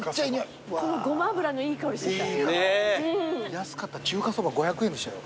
安かった中華そば５００円でしたよ。